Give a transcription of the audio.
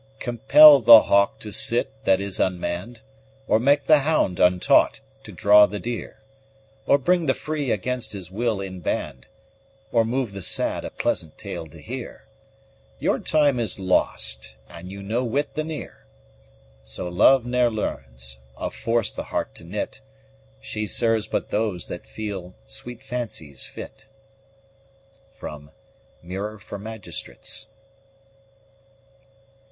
Compel the hawke to sit that is unmann'd, Or make the hound, untaught, to draw the deere, Or bring the free against his will in band, Or move the sad a pleasant tale to heere, Your time is lost, and you no whit the neere! So love ne learnes, of force the heart to knit: She serves but those that feel sweet fancies' fit. _Mirror for Magistrates.